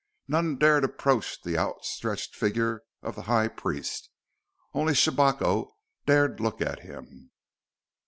None dared approach the outstretched figure of the High Priest. Only Shabako dared look at him.